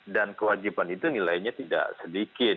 dan kewajiban itu nilainya tidak sedikit